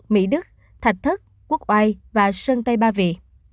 mỹ đức thạch thất quốc oai và sơn tây ba vị